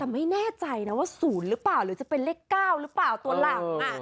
แต่ไม่แน่ใจนะว่า๐หรือเปล่าหรือจะเป็นเลข๙หรือเปล่าตัวหลัง